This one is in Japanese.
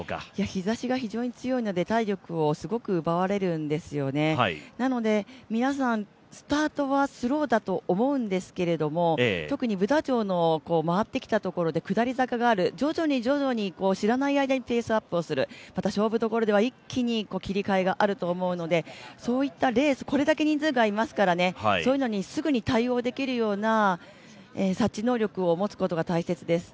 日ざしが非常に強いので体力をすごく奪われるんですよねなので、皆さんスタートはスローだと思うんですけども、特にブダ城をまわってきたところで下り坂がある、徐々に徐々に知らない間にペースアップをする勝負どころでは一気に切り替えがあると思うので、そういったレース、これだけ人数がいますからそういうのにすぐに対応できるような察知能力を持つことが大切です。